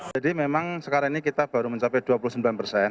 jadi memang sekarang ini kita baru mencapai dua puluh sembilan persen